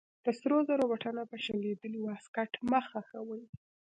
د سرو زرو بټنه په شلېدلې واسکټ مه خښوئ.